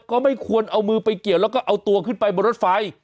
ก็ไม่ควรเอามือไปเกี่ยวแล้วก็เอาตัวขึ้นไปบนรถไฟ